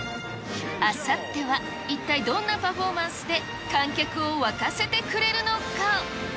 あさっては、一体、どんなパフォーマンスで観客を沸かせてくれるのか。